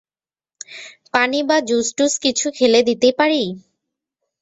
পানি বা জুস-টুস কিছু খেলে দিতে পারি?